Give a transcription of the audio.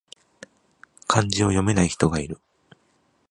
漢字を読めない人がいる